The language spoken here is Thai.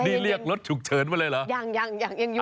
นี่เรียกรถฉุกเฉินมาเลยเหรอ